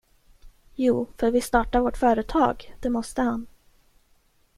Jo, för vi startar vårt företag, det måste han.